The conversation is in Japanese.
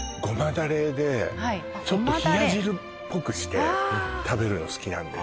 だれでちょっと冷や汁っぽくして食べるの好きなんです